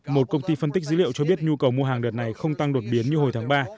một công ty phân tích dữ liệu cho biết nhu cầu mua hàng đợt này không tăng đột biến như hồi tháng ba